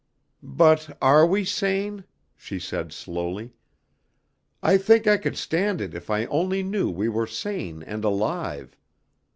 "But are we sane?" she said slowly, "I think I could stand it if I only knew we were sane and alive.